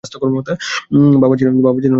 বাবা ছিলেন স্কুল শিক্ষক।